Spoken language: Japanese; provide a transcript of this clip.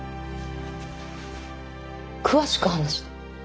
詳しく話して。